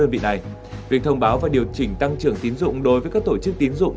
việc thông báo và điều chỉnh tăng trưởng tín dụng đối với các tổ chức tín dụng